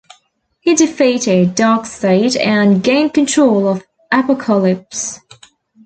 He defeated Darkseid and gained control of Apokolips.